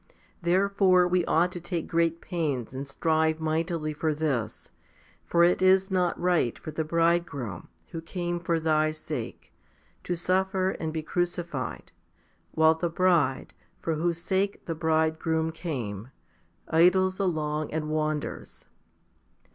Therefore we ought to take great pains and strive mightily for this ; for it is not right for the Bridegroom, who came for thy sake, to suffer and be crucified, while the bride, for whose sake the Bridegroom came, idles along and wanders.